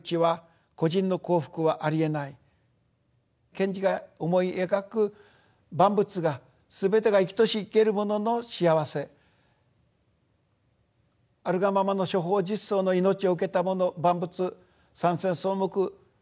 賢治が思い描く万物がすべてが生きとし生けるものの幸せあるがままの諸法実相の命を受けた者万物山川草木